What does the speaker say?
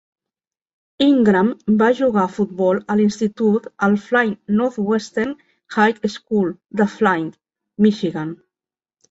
Ingram va jugar a futbol a l'institut al Flint Northwestern High School de Flint, Michigan.